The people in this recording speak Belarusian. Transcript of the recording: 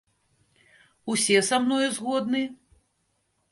Усе са мною згодны?